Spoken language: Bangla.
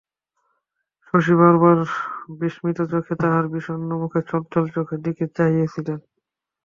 শশী বারবার বিস্মিত চোখে তাহার বিষন্ন মুখ, ছলছল চোখের দিকে চাহিতেছিল।